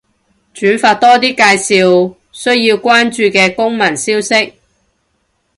轉發多啲介紹需要關注嘅公民消息